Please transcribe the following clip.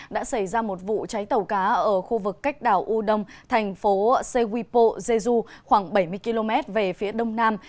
đã xảy ra một vụ cháy tàu cá ở khu vực cách đảo u đông thành phố sewipo jeju khoảng bảy mươi km về phía đông nam